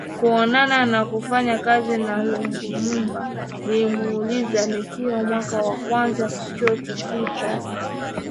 kuonana na kufanya kazi na Lumumba Nilimwuliza nikiwa mwaka wa kwanza Chuo Kikuu cha